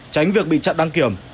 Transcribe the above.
tránh việc bị chặn đăng kiểm